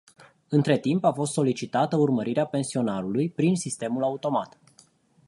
Între timp a fost solicitată urmărirea pensionarului, prin sistemul automat.